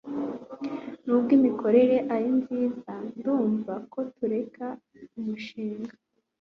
nubwo imikorere ari nziza, ndavuga ko tureka umushinga